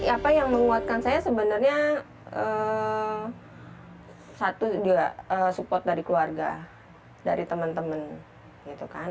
apa yang menguatkan saya sebenarnya satu juga support dari keluarga dari teman teman gitu kan